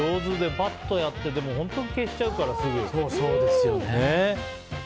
バッとやってでも本当にすぐ消しちゃうから。